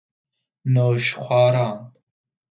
نوشخواران